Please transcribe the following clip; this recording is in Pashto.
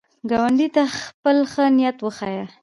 ګاونډي ته خپل ښه نیت وښیه